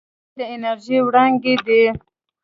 څپې د انرژۍ وړونکي دي.